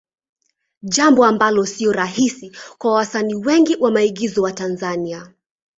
Jambo ambalo sio rahisi kwa wasanii wengi wa maigizo wa Tanzania.